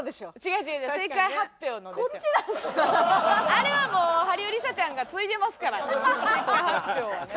あれはもうハリウリサちゃんが継いでますから「結果発表！」はね。